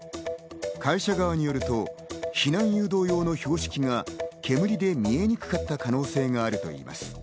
会社側によると、避難誘導用の標識が煙で見えにくかった可能性があるといいます。